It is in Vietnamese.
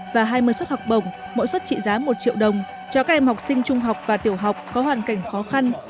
và một mươi xuất học bổng mỗi xuất trị giá một triệu đồng cho các em học sinh trung học và tiểu học có hoàn cảnh khó khăn